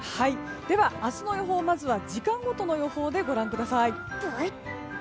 では、明日の予報を時間ごとの予報でご覧ください。